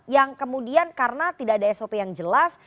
yang kemudian karena tidak ada sop yang jelas